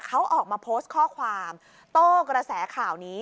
เขาออกมาโพสต์ข้อความโต้กระแสข่าวนี้